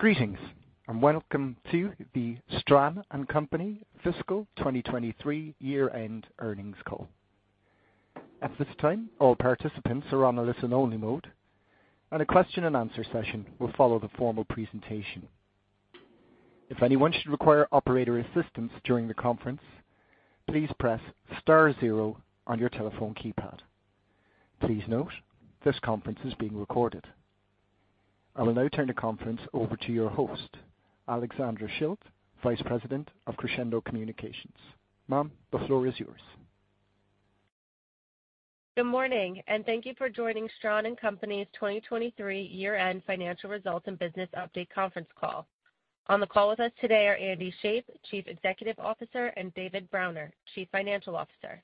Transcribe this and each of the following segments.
Greetings, and welcome to the Stran & Company Fiscal 2023 Year-End Earnings Call. At this time, all participants are on a listen-only mode, and a question-and-answer session will follow the formal presentation. If anyone should require operator assistance during the conference, please press star zero on your telephone keypad. Please note, this conference is being recorded. I will now turn the conference over to your host, Alexandra Schilt, Vice President of Crescendo Communications. Ma'am, the floor is yours. Good morning, and thank you for joining Stran & Company's 2023 year-end financial results and business update conference call. On the call with us today are Andy Shape, Chief Executive Officer, and David Browner, Chief Financial Officer.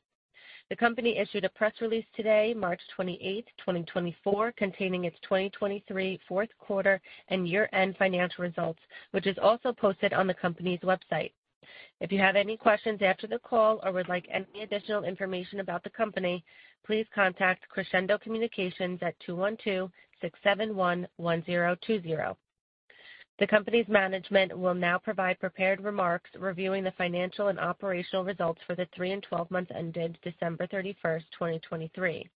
The company issued a press release today, March 28, 2024, containing its 2023 fourth quarter and year-end financial results, which is also posted on the company's website. If you have any questions after the call or would like any additional information about the company, please contact Crescendo Communications at 212-671-1020. The company's management will now provide prepared remarks reviewing the financial and operational results for the 3 and 12 months ended December 31, 2023.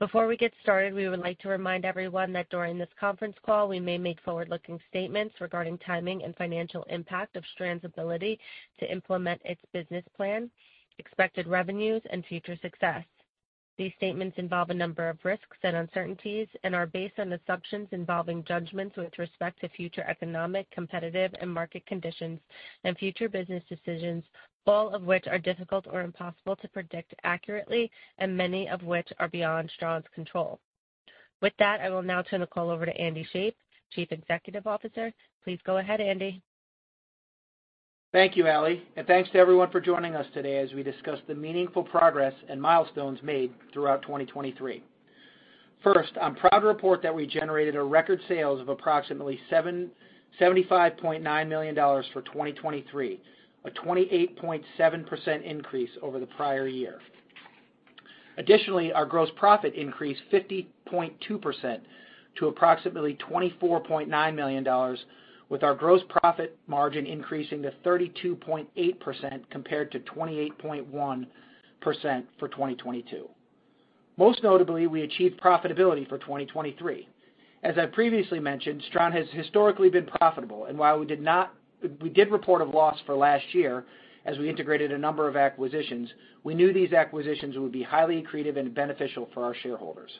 Before we get started, we would like to remind everyone that during this conference call, we may make forward-looking statements regarding timing and financial impact of Stran's ability to implement its business plan, expected revenues, and future success. These statements involve a number of risks and uncertainties and are based on assumptions involving judgments with respect to future economic, competitive, and market conditions and future business decisions, all of which are difficult or impossible to predict accurately and many of which are beyond Stran's control. With that, I will now turn the call over to Andy Shape, Chief Executive Officer. Please go ahead, Andy. Thank you, Ally, and thanks to everyone for joining us today as we discuss the meaningful progress and milestones made throughout 2023. First, I'm proud to report that we generated a record sales of approximately $75.9 million for 2023, a 28.7% increase over the prior year. Additionally, our gross profit increased 50.2% to approximately $24.9 million, with our gross profit margin increasing to 32.8%, compared to 28.1% for 2022. Most notably, we achieved profitability for 2023. As I previously mentioned, Stran has historically been profitable, and while we did report a loss for last year as we integrated a number of acquisitions, we knew these acquisitions would be highly accretive and beneficial for our shareholders.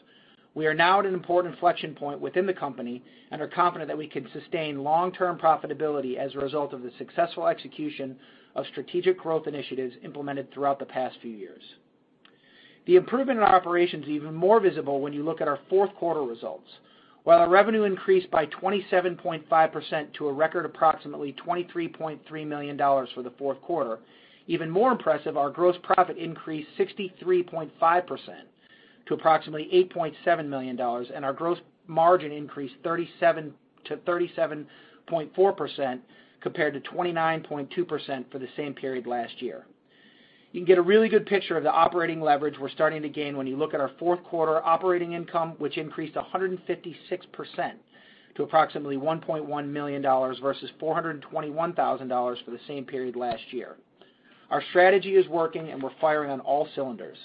We are now at an important inflection point within the company and are confident that we can sustain long-term profitability as a result of the successful execution of strategic growth initiatives implemented throughout the past few years. The improvement in our operations is even more visible when you look at our fourth quarter results. While our revenue increased by 27.5% to a record approximately $23.3 million for the fourth quarter, even more impressive, our gross profit increased 63.5% to approximately $8.7 million, and our gross margin increased to 37.4%, compared to 29.2% for the same period last year. You can get a really good picture of the operating leverage we're starting to gain when you look at our fourth quarter operating income, which increased 156% to approximately $1.1 million versus $421,000 for the same period last year. Our strategy is working, and we're firing on all cylinders.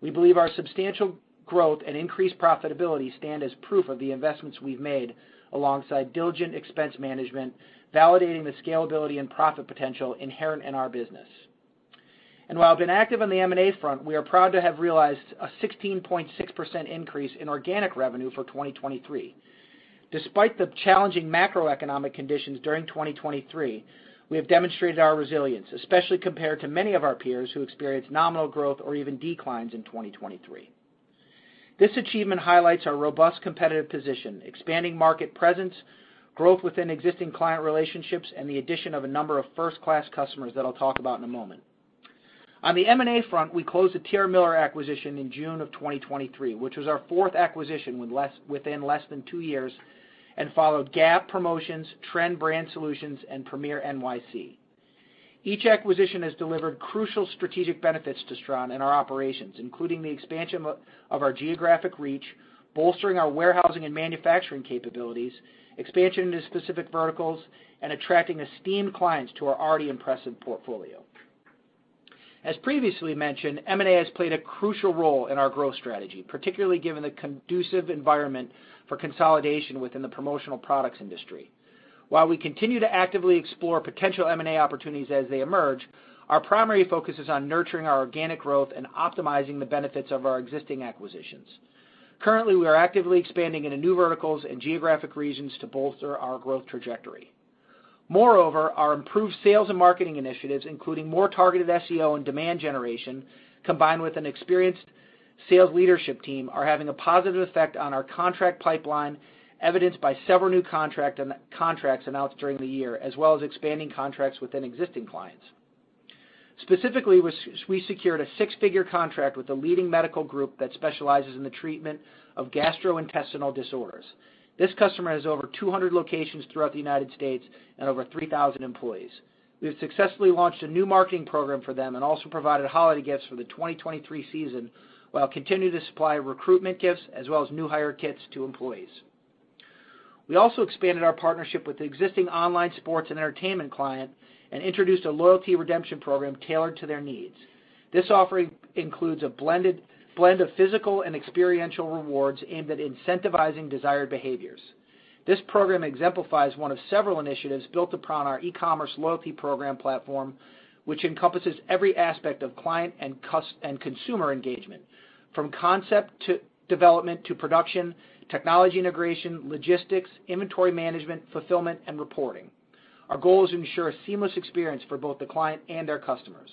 We believe our substantial growth and increased profitability stand as proof of the investments we've made, alongside diligent expense management, validating the scalability and profit potential inherent in our business. And while I've been active on the M&A front, we are proud to have realized a 16.6% increase in organic revenue for 2023. Despite the challenging macroeconomic conditions during 2023, we have demonstrated our resilience, especially compared to many of our peers who experienced nominal growth or even declines in 2023. This achievement highlights our robust competitive position, expanding market presence, growth within existing client relationships, and the addition of a number of first-class customers that I'll talk about in a moment. On the M&A front, we closed the T.R. Miller acquisition in June of 2023, which was our fourth acquisition within less than two years, and followed GAP Promotions, Trend Brand Solutions, and Premier NYC. Each acquisition has delivered crucial strategic benefits to Stran and our operations, including the expansion of our geographic reach, bolstering our warehousing and manufacturing capabilities, expansion into specific verticals, and attracting esteemed clients to our already impressive portfolio. As previously mentioned, M&A has played a crucial role in our growth strategy, particularly given the conducive environment for consolidation within the promotional products industry. While we continue to actively explore potential M&A opportunities as they emerge, our primary focus is on nurturing our organic growth and optimizing the benefits of our existing acquisitions. Currently, we are actively expanding into new verticals and geographic regions to bolster our growth trajectory. Moreover, our improved sales and marketing initiatives, including more targeted SEO and demand generation, combined with an experienced sales leadership team, are having a positive effect on our contract pipeline, evidenced by several new contracts announced during the year, as well as expanding contracts within existing clients. Specifically, we secured a six-figure contract with a leading medical group that specializes in the treatment of gastrointestinal disorders. This customer has over 200 locations throughout the United States and over 3,000 employees. We have successfully launched a new marketing program for them and also provided holiday gifts for the 2023 season, while continuing to supply recruitment gifts as well as new hire kits to employees. We also expanded our partnership with the existing online sports and entertainment client and introduced a loyalty redemption program tailored to their needs. This offering includes a blend of physical and experiential rewards aimed at incentivizing desired behaviors. This program exemplifies one of several initiatives built upon our e-commerce loyalty program platform, which encompasses every aspect of client and customer and consumer engagement, from concept to development to production, technology integration, logistics, inventory management, fulfillment, and reporting. Our goal is to ensure a seamless experience for both the client and their customers.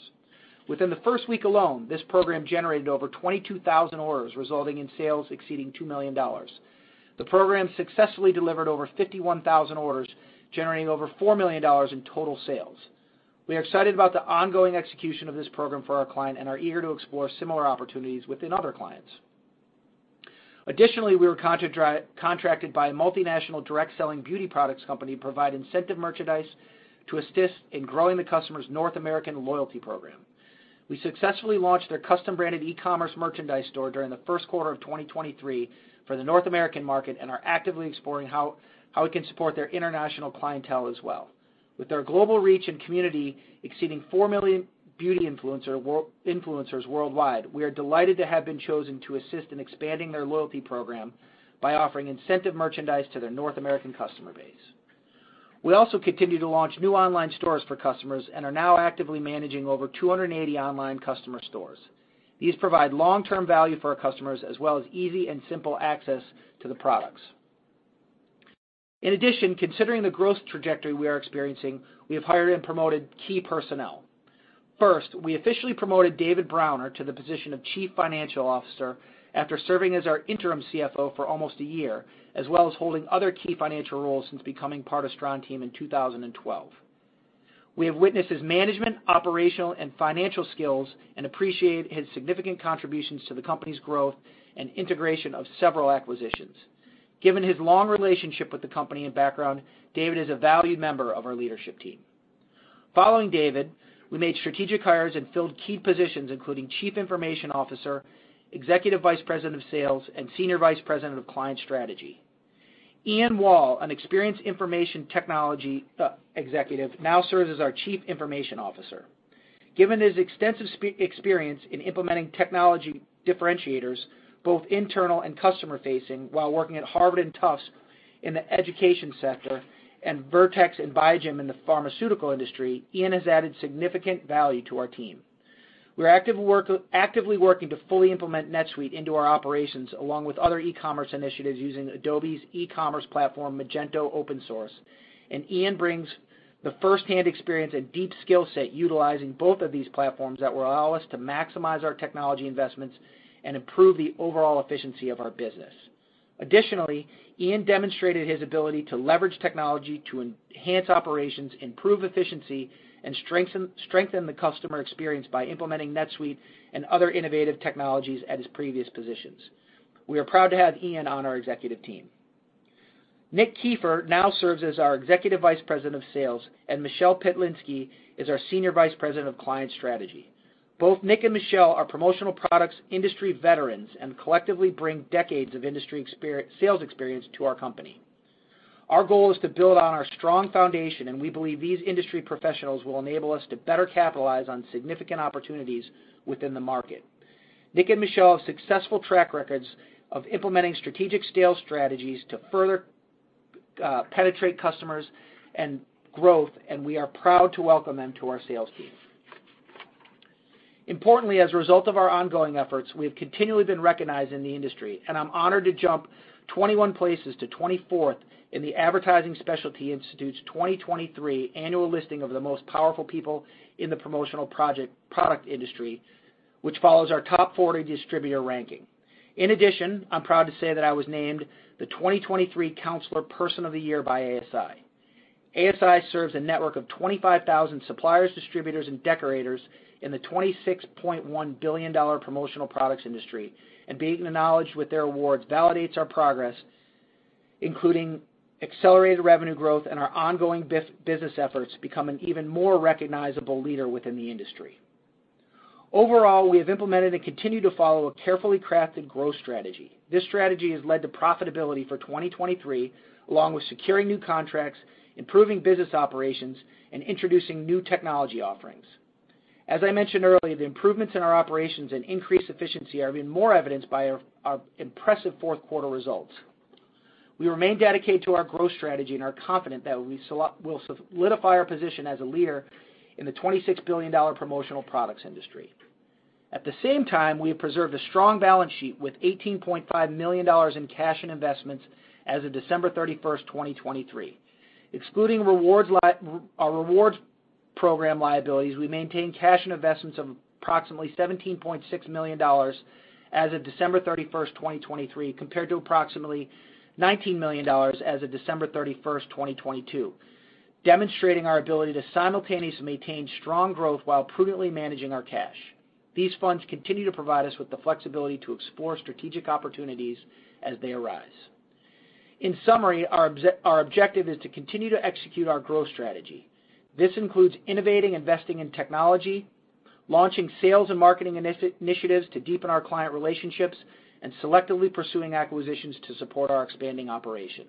Within the first week alone, this program generated over 22,000 orders, resulting in sales exceeding $2 million. The program successfully delivered over 51,000 orders, generating over $4 million in total sales. We are excited about the ongoing execution of this program for our client and are eager to explore similar opportunities within other clients. Additionally, we were subcontracted by a multinational direct selling beauty products company to provide incentive merchandise to assist in growing the customer's North American loyalty program. We successfully launched their custom-branded e-commerce merchandise store during the first quarter of 2023 for the North American market and are actively exploring how we can support their international clientele as well. With their global reach and community exceeding 4 million beauty influencers worldwide, we are delighted to have been chosen to assist in expanding their loyalty program by offering incentive merchandise to their North American customer base. We also continue to launch new online stores for customers and are now actively managing over 280 online customer stores. These provide long-term value for our customers, as well as easy and simple access to the products. In addition, considering the growth trajectory we are experiencing, we have hired and promoted key personnel. First, we officially promoted David Browner to the position of Chief Financial Officer after serving as our interim CFO for almost a year, as well as holding other key financial roles since becoming part of Stran team in 2012. We have witnessed his management, operational, and financial skills and appreciate his significant contributions to the company's growth and integration of several acquisitions. Given his long relationship with the company and background, David is a valued member of our leadership team. Following David, we made strategic hires and filled key positions, including Chief Information Officer, Executive Vice President of Sales, and Senior Vice President of Client Strategy. Ian Wall, an experienced information technology executive, now serves as our Chief Information Officer. Given his extensive experience in implementing technology differentiators, both internal and customer-facing, while working at Harvard and Tufts in the education sector and Vertex and Biogen in the pharmaceutical industry, Ian has added significant value to our team. We're actively working to fully implement NetSuite into our operations, along with other e-commerce initiatives, using Adobe's e-commerce platform, Magento Open Source. And Ian brings the first-hand experience and deep skill set, utilizing both of these platforms, that will allow us to maximize our technology investments and improve the overall efficiency of our business. Additionally, Ian demonstrated his ability to leverage technology to enhance operations, improve efficiency, and strengthen, strengthen the customer experience by implementing NetSuite and other innovative technologies at his previous positions. We are proud to have Ian on our executive team. Nick Kiefer now serves as our Executive Vice President of Sales, and Michele Pytlinski is our Senior Vice President of Client Strategy. Both Nick and Michele are promotional products industry veterans and collectively bring decades of industry sales experience to our company. Our goal is to build on our strong foundation, and we believe these industry professionals will enable us to better capitalize on significant opportunities within the market. Nick and Michele have successful track records of implementing strategic sales strategies to further penetrate customers and growth, and we are proud to welcome them to our sales team. Importantly, as a result of our ongoing efforts, we have continually been recognized in the industry, and I'm honored to jump 21 places to 24th in the Advertising Specialty Institute's 2023 annual listing of the Most Powerful People in the Promotional Products Industry, which follows our top 40 distributor ranking. In addition, I'm proud to say that I was named the 2023 Counselor Person of the Year by ASI. ASI serves a network of 25,000 suppliers, distributors, and decorators in the $26.1 billion promotional products industry, and being acknowledged with their awards validates our progress, including accelerated revenue growth and our ongoing business efforts to become an even more recognizable leader within the industry. Overall, we have implemented and continue to follow a carefully crafted growth strategy. This strategy has led to profitability for 2023, along with securing new contracts, improving business operations, and introducing new technology offerings. As I mentioned earlier, the improvements in our operations and increased efficiency are even more evidenced by our impressive fourth quarter results. We remain dedicated to our growth strategy and are confident that we'll solidify our position as a leader in the $26 billion promotional products industry. At the same time, we have preserved a strong balance sheet, with $18.5 million in cash and investments as of December 31, 2023. Excluding our rewards program liabilities, we maintain cash and investments of approximately $17.6 million as of December 31, 2023, compared to approximately $19 million as of December 31, 2022, demonstrating our ability to simultaneously maintain strong growth while prudently managing our cash. These funds continue to provide us with the flexibility to explore strategic opportunities as they arise. In summary, our objective is to continue to execute our growth strategy. This includes innovating, investing in technology, launching sales and marketing initiatives to deepen our client relationships, and selectively pursuing acquisitions to support our expanding operation.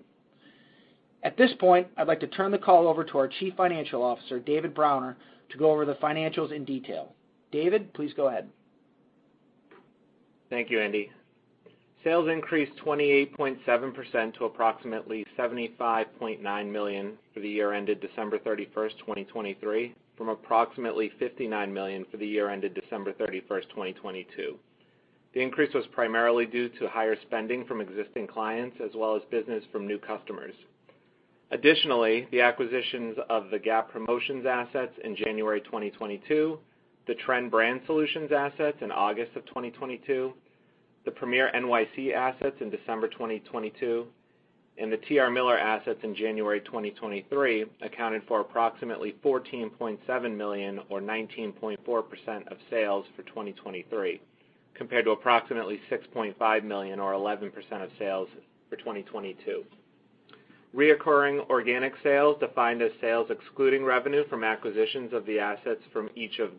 At this point, I'd like to turn the call over to our Chief Financial Officer, David Browner, to go over the financials in detail. David, please go ahead. Thank you, Andy. Sales increased 28.7% to approximately $75.9 million for the year ended December 31, 2023, from approximately $59 million for the year ended December 31, 2022. The increase was primarily due to higher spending from existing clients as well as business from new customers. Additionally, the acquisitions of the G.A.P. Promotions assets in January 2022, the Trend Brand Solutions assets in August 2022, the Premier NYC assets in December 2022, and the T.R. Miller assets in January 2023, accounted for approximately $14.7 million, or 19.4% of sales for 2023, compared to approximately $6.5 million, or 11% of sales for 2022. Recurring organic sales, defined as sales excluding revenue from acquisitions of the assets from each of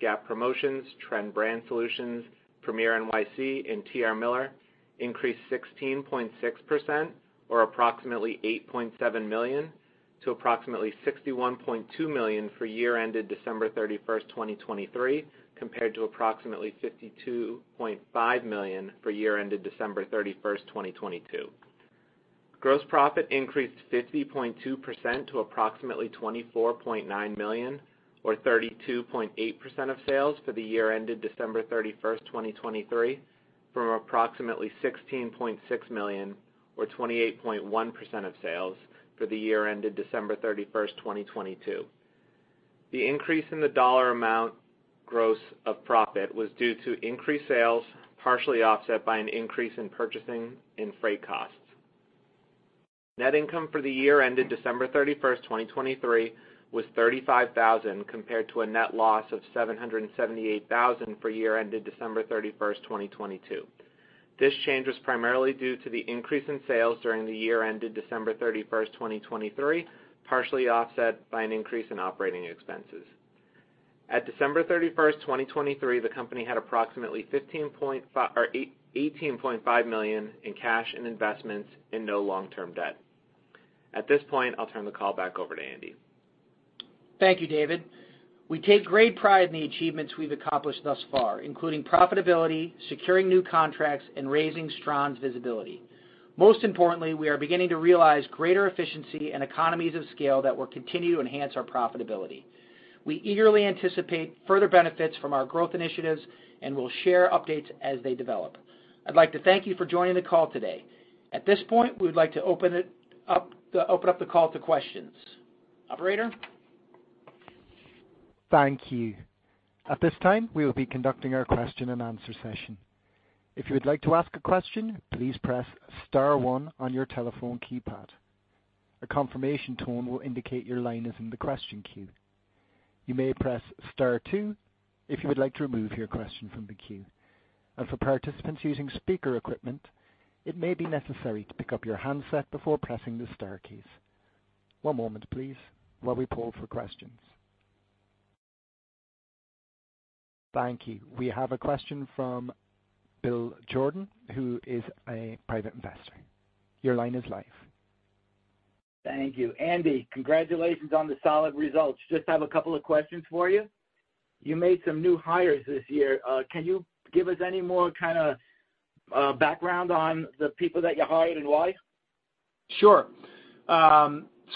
G.A.P. Promotions, Trend Brand Solutions, Premier NYC, and T.R. Miller, increased 16.6%, or approximately $8.7 million to approximately $61.2 million for year ended December 31, 2023, compared to approximately $52.5 million for year ended December 31, 2022. Gross profit increased 50.2% to approximately $24.9 million, or 32.8% of sales for the year ended December 31, 2023, from approximately $16.6 million, or 28.1% of sales for the year ended December 31, 2022. The increase in the dollar amount of gross profit was due to increased sales, partially offset by an increase in purchasing and freight costs. Net income for the year ended December 31, 2023, was $35,000, compared to a net loss of $778,000 for year ended December 31, 2022. This change was primarily due to the increase in sales during the year ended December 31, 2023, partially offset by an increase in operating expenses. At December 31, 2023, the company had approximately $18.5 million in cash and investments and no long-term debt. At this point, I'll turn the call back over to Andy. Thank you, David. We take great pride in the achievements we've accomplished thus far, including profitability, securing new contracts, and raising Stran's visibility. Most importantly, we are beginning to realize greater efficiency and economies of scale that will continue to enhance our profitability. We eagerly anticipate further benefits from our growth initiatives, and we'll share updates as they develop. I'd like to thank you for joining the call today. At this point, we would like to open it up, to open up the call to questions. Operator? Thank you. At this time, we will be conducting our question and answer session. If you would like to ask a question, please press star one on your telephone keypad. A confirmation tone will indicate your line is in the question queue. You may press star two if you would like to remove your question from the queue. For participants using speaker equipment, it may be necessary to pick up your handset before pressing the star keys. One moment, please, while we poll for questions. Thank you. We have a question from Bill Jordan, who is a private investor. Your line is live. Thank you. Andy, congratulations on the solid results. Just have a couple of questions for you. You made some new hires this year. Can you give us any more kinda background on the people that you hired and why? Sure.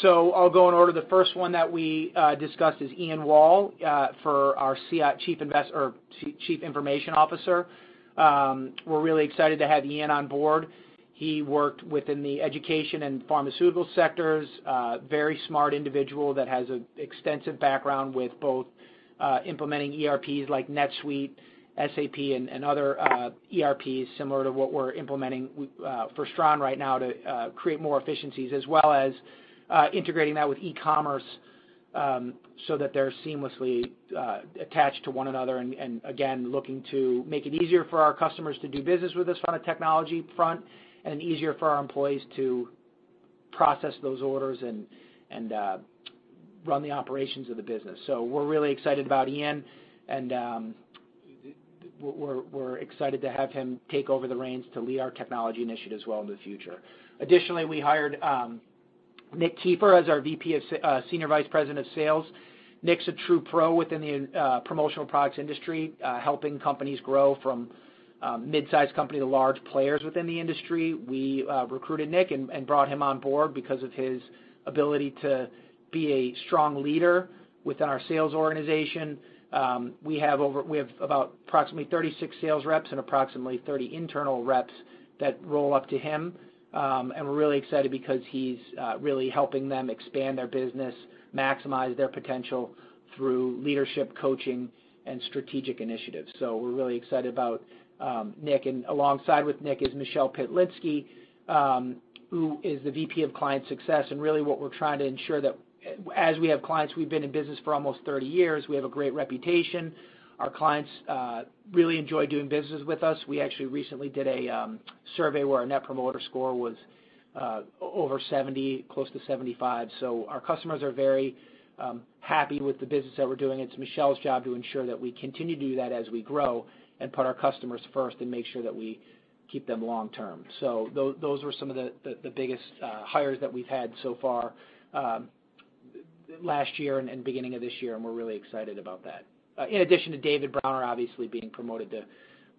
So I'll go in order. The first one that we discussed is Ian Wall for our Chief Information Officer. We're really excited to have Ian on board. He worked within the education and pharmaceutical sectors, very smart individual that has a extensive background with both, implementing ERPs like NetSuite, SAP, and other ERPs, similar to what we're implementing for Stran right now to create more efficiencies, as well as integrating that with E-commerce, so that they're seamlessly attached to one another, and again, looking to make it easier for our customers to do business with us on a technology front, and easier for our employees to process those orders and run the operations of the business. So we're really excited about Ian, and we're excited to have him take over the reins to lead our technology initiatives well into the future. Additionally, we hired Nick Kiefer as our Senior Vice President of Sales. Nick's a true pro within the promotional products industry, helping companies grow from mid-sized company to large players within the industry. We recruited Nick and brought him on board because of his ability to be a strong leader within our sales organization. We have about approximately 36 sales reps and approximately 30 internal reps that roll up to him. And we're really excited because he's really helping them expand their business, maximize their potential through leadership, coaching, and strategic initiatives. So we're really excited about Nick. Alongside with Nick is Michele Pytlinski, who is the VP of Client Success, and really what we're trying to ensure that, as we have clients, we've been in business for almost 30 years, we have a great reputation. Our clients really enjoy doing business with us. We actually recently did a survey where our Net Promoter Score was over 70, close to 75. So our customers are very happy with the business that we're doing. It's Michele's job to ensure that we continue to do that as we grow and put our customers first and make sure that we keep them long term. So those were some of the biggest hires that we've had so far last year and beginning of this year, and we're really excited about that. In addition to David Browner, obviously being promoted to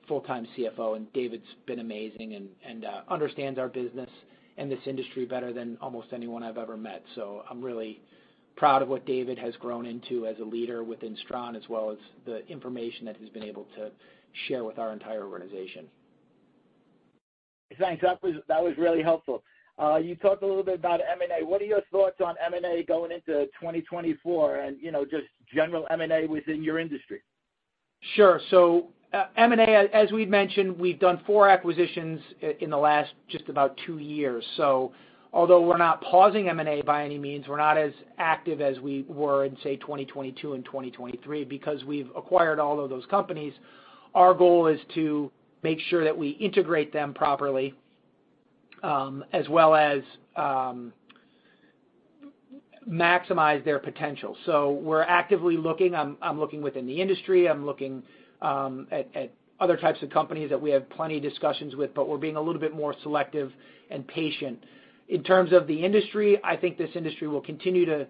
full-time CFO, and David's been amazing and understands our business and this industry better than almost anyone I've ever met. So I'm really proud of what David has grown into as a leader within Stran, as well as the information that he's been able to share with our entire organization. Thanks. That was, that was really helpful. You talked a little bit about M&A. What are your thoughts on M&A going into 2024, and, you know, just general M&A within your industry? Sure. So, M&A, as we've mentioned, we've done four acquisitions in the last just about two years. So although we're not pausing M&A by any means, we're not as active as we were in, say, 2022 and 2023, because we've acquired all of those companies. Our goal is to make sure that we integrate them properly, as well as maximize their potential. So we're actively looking. I'm looking within the industry. I'm looking at other types of companies that we have plenty of discussions with, but we're being a little bit more selective and patient. In terms of the industry, I think this industry will continue to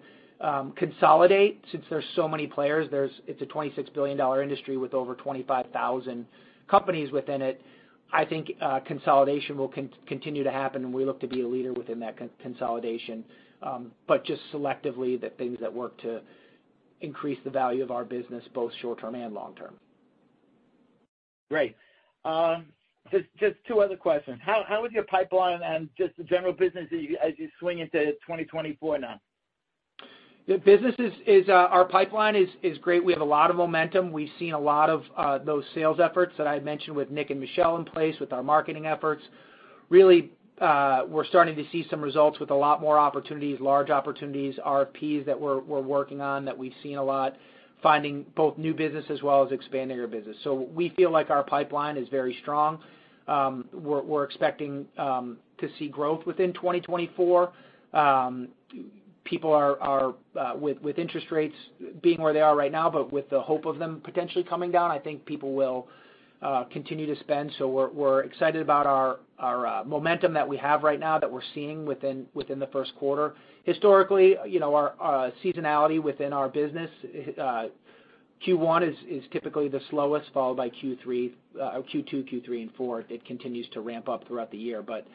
consolidate since there's so many players. There's. It's a $26 billion industry with over 25,000 companies within it. I think, consolidation will continue to happen, and we look to be a leader within that consolidation. But just selectively, the things that work to increase the value of our business, both short term and long term. Great. Just, just two other questions. How, how is your pipeline and just the general business as you, as you swing into 2024 now? The business is. Our pipeline is great. We have a lot of momentum. We've seen a lot of those sales efforts that I had mentioned with Nick and Michele in place, with our marketing efforts. Really, we're starting to see some results with a lot more opportunities, large opportunities, RFPs that we're working on, that we've seen a lot, finding both new business as well as expanding our business. So we feel like our pipeline is very strong. We're expecting to see growth within 2024. People are with interest rates being where they are right now, but with the hope of them potentially coming down, I think people will continue to spend. So we're excited about our momentum that we have right now, that we're seeing within the first quarter. Historically, you know, our seasonality within our business, Q1 is typically the slowest, followed by Q3, Q2, Q3, and Q4. It continues to ramp up throughout the year. But,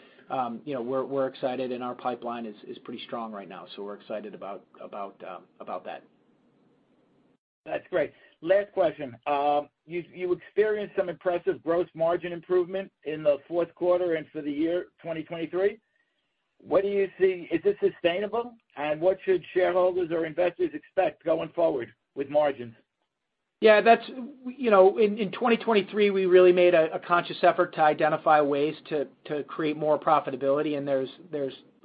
you know, we're excited, and our pipeline is pretty strong right now, so we're excited about that. That's great. Last question. You experienced some impressive gross margin improvement in the fourth quarter and for the year 2023. What are you seeing? Is this sustainable, and what should shareholders or investors expect going forward with margins? Yeah. You know, in 2023, we really made a conscious effort to identify ways to create more profitability, and there's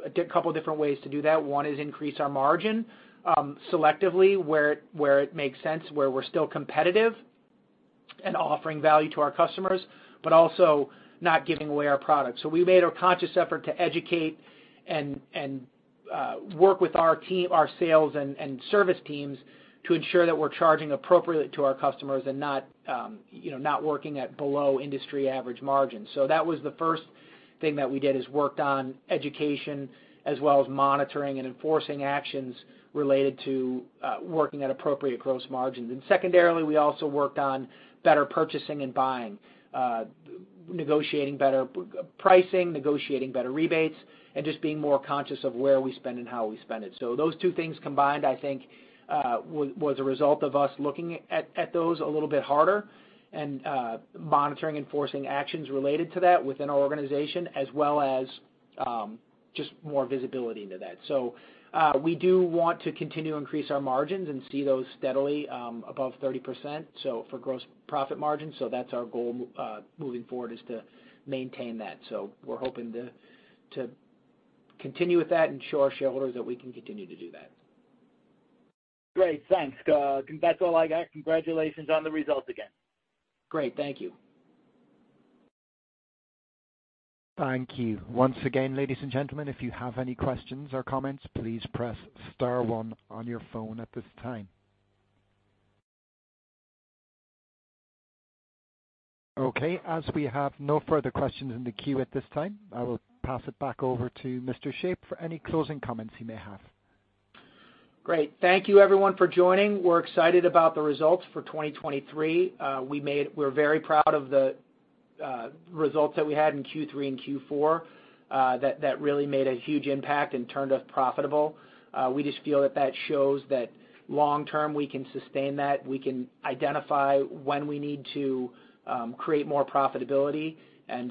a couple different ways to do that. One is increase our margin selectively, where it makes sense, where we're still competitive and offering value to our customers, but also not giving away our products. So we made a conscious effort to educate and work with our team, our sales and service teams, to ensure that we're charging appropriately to our customers and not, you know, not working at below industry average margins. So that was the first thing that we did, is worked on education as well as monitoring and enforcing actions related to working at appropriate gross margins. Secondarily, we also worked on better purchasing and buying, negotiating better pricing, negotiating better rebates, and just being more conscious of where we spend and how we spend it. Those two things combined, I think, was a result of us looking at those a little bit harder and monitoring, enforcing actions related to that within our organization, as well as just more visibility into that. We do want to continue to increase our margins and see those steadily above 30%, for gross profit margins. That's our goal moving forward, is to maintain that. We're hoping to continue with that and show our shareholders that we can continue to do that. Great! Thanks, that's all I got. Congratulations on the results again. Great. Thank you. Thank you. Once again, ladies and gentlemen, if you have any questions or comments, please press star one on your phone at this time. Okay, as we have no further questions in the queue at this time, I will pass it back over to Mr. Shape for any closing comments he may have. Great. Thank you, everyone, for joining. We're excited about the results for 2023. We're very proud of the results that we had in Q3 and Q4. That really made a huge impact and turned us profitable. We just feel that that shows that long term, we can sustain that. We can identify when we need to create more profitability and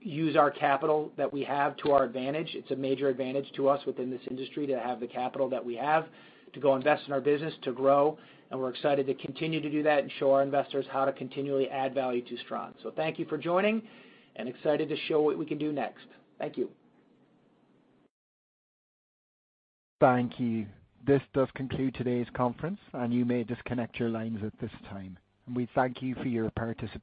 use our capital that we have to our advantage. It's a major advantage to us within this industry to have the capital that we have, to go invest in our business, to grow, and we're excited to continue to do that and show our investors how to continually add value to Stran. So thank you for joining, and excited to show what we can do next. Thank you. Thank you. This does conclude today's conference, and you may disconnect your lines at this time, and we thank you for your participation.